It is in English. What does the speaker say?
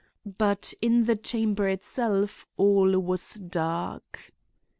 But in the chamber itself all was dark.